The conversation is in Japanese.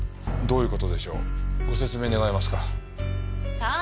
さあ？